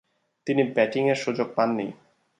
তিনি ব্যাটিংয়ের সুযোগ পাননি।